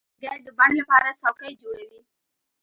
لرګی د بڼ لپاره څوکۍ جوړوي.